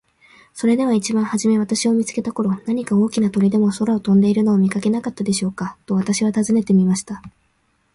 「それでは一番はじめ私を見つけた頃、何か大きな鳥でも空を飛んでいるのを見かけなかったでしょうか。」と私は尋ねてみました。